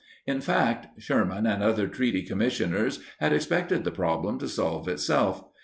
In fact, Sherman and other treaty commissioners had expected the problem to solve itself.